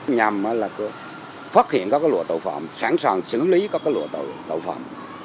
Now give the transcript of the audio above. nhằm phát hiện các lụa tội phạm sẵn sàng xử lý các lụa tội phạm